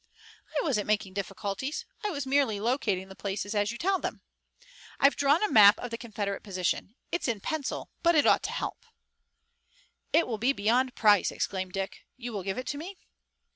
"I wasn't making difficulties, I was merely locating the places as you tell them." "I've drawn a map of the Confederate position. It's in pencil, but it ought to help." "It will be beyond price!" exclaimed Dick. "You will give it to me?"